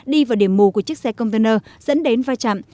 đi vào điểm mù của chiếc xe container dẫn đến va chạm